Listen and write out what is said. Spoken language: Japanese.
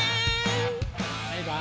バイバイ！